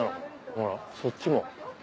ほらそっちも。